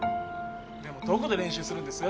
でもどこで練習するんです？